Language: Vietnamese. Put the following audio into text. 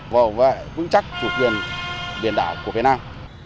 và vững chắc chủ quyền biển đảo của việt nam